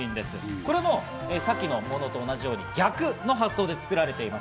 これもさっきのものと同じで、逆の発想で作られています。